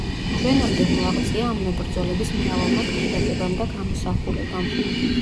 ჩვენამდე მოაღწია ამ მებრძოლების მრავალმა ქანდაკებამ და გამოსახულებამ.